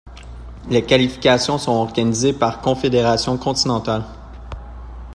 Les qualifications sont organisées par confédérations continentales.